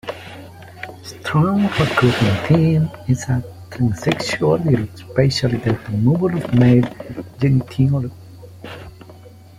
A strong recurring theme is transsexuality, especially the removal of male genitalia.